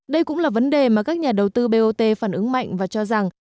đây cũng là vấn đề mà các nhà đầu tư bot phản ứng mạnh và cho rằng